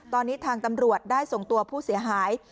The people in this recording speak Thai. ตอนนี้ทางตำรวจได้ส่งตัวผู้เสียหาย